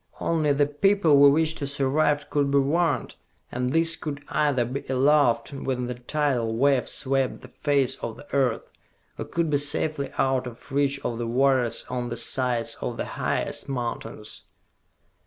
Only the people we wish to survive could be warned, and these could either be aloft when the tidal wave swept the face of the earth, or could be safely out of reach of the waters on the sides of the highest mountains!"